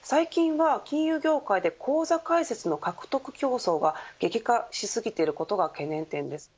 最近は金融業界で口座開設の獲得競争が激化しすぎていることが懸念点です。